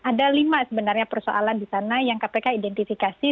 ada lima sebenarnya persoalan di sana yang kpk identifikasi